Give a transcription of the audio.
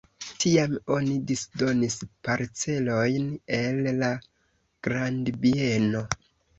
Tiam oni disdonis parcelojn el la grandbieno.